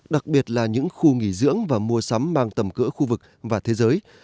đặc biệt là những khu nghỉ dưỡng và mua sắm mang tầm cỡ khu vực và thế giới